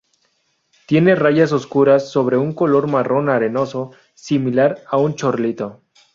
Tiene rayas oscuras sobre un color marrón arenoso, similar a un chorlito.